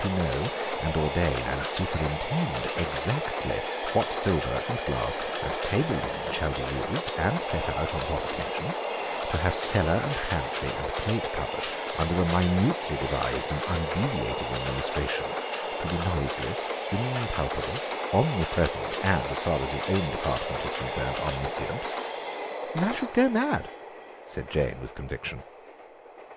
To know and ordain and superintend exactly what silver and glass and table linen shall be used and set out on what occasions, to have cellar and pantry and plate cupboard under a minutely devised and undeviating administration, to be noiseless, impalpable, omnipresent, and, as far as your own department is concerned, omniscient?" "I should go mad," said Jane with conviction.